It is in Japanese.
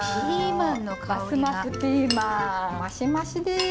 マシマシです。